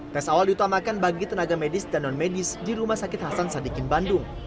tes awal diutamakan bagi tenaga medis dan non medis di rumah sakit hasan sadikin bandung